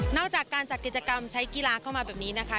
อกจากการจัดกิจกรรมใช้กีฬาเข้ามาแบบนี้นะคะ